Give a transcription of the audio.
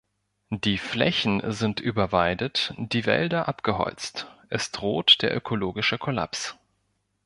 Die Flächen sind überweidet, die Wälder abgeholzt, es droht der ökologische Kollaps.